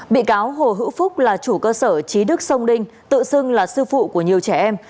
bị cáo hồ hữu phúc là chủ cơ sở trí đức sông đinh tự xưng là sư phụ của nhiều trẻ em